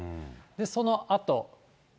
そのあと。